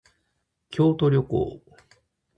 京都旅行